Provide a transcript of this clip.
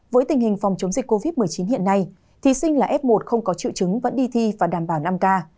với tình hình phòng chống dịch covid một mươi chín hiện nay thí sinh là f một không có triệu chứng vẫn đi thi và đảm bảo năm k